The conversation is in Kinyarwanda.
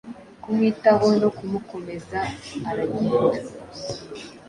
Kumwitaho no kumukomezaaragenda